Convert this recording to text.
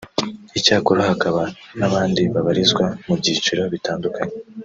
Icyakora hakaba n’abandi babarizwa mu byiciro bitandukanye